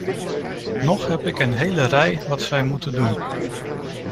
Nog heb ik een hele rij wat zij moeten doen.